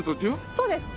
そうです。